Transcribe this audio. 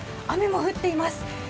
雨も降っています。